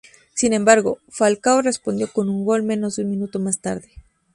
Sin embargo, Falcao respondió con un gol menos de un minuto más tarde.